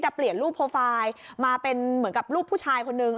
แต่เปลี่ยนรูปโปรไฟล์มาเป็นเหมือนกับรูปผู้ชายคนนึง